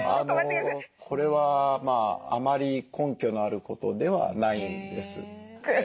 これはあまり根拠のあることではないんです。